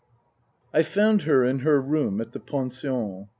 I found her in her room at the pension.